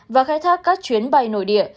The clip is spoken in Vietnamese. và khai thác các chuyến bay nổi địa